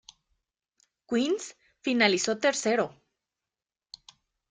Queens finalizó tercero.